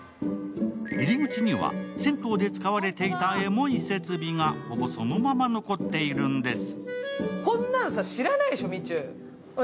入り口には銭湯で使われていたエモい設備が、ほぼそのまま残っているんです。